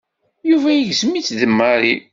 Yuba igzem-itt d Mary.